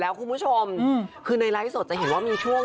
และทุกคนก็เห็นเป็นสักขีพยาน